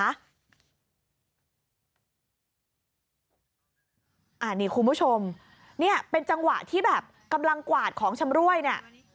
อันนี้คุณผู้ชมเนี่ยเป็นจังหวะที่แบบกำลังกวาดของชำรวยเนี่ย